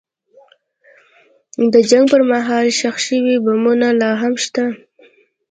د جنګ پر مهال ښخ شوي بمونه لا هم شته.